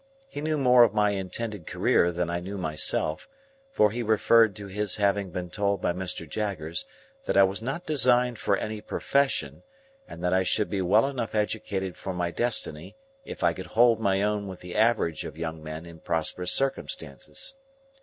He knew more of my intended career than I knew myself, for he referred to his having been told by Mr. Jaggers that I was not designed for any profession, and that I should be well enough educated for my destiny if I could "hold my own" with the average of young men in prosperous circumstances.